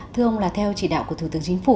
thưa ông là theo chỉ đạo của thủ tướng chính phủ